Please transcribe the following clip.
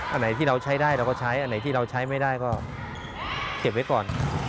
อันไหนที่เราใช้ได้เราก็ใช้อันไหนที่เราใช้ไม่ได้ก็เก็บไว้ก่อน